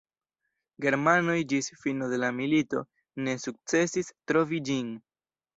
Germanoj ĝis fino de la milito ne sukcesis trovi ĝin.